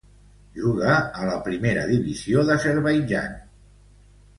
Juga a la Primera Divisió d'Azerbaidjan.